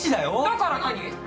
だから何？